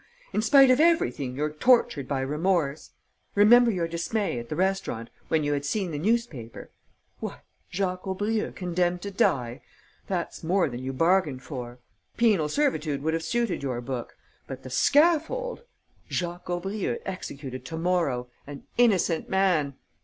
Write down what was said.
In spite of everything, you're tortured by remorse. Remember your dismay, at the restaurant, when you had seen the newspaper. What? Jacques Aubrieux condemned to die? That's more than you bargained for! Penal servitude would have suited your book; but the scaffold!... Jacques Aubrieux executed to morrow, an innocent man!...